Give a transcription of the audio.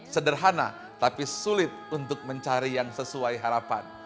sederhana tapi sulit untuk mencari yang sesuai harapan